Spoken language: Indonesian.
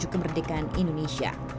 menuju kemerdekaan indonesia